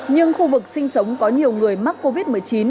nhưng khu vực sinh sống có nhiều người mắc covid một mươi chín